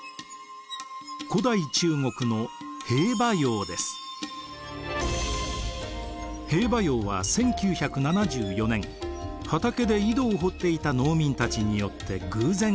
古代中国の兵馬俑は１９７４年畑で井戸を掘っていた農民たちによって偶然発見されました。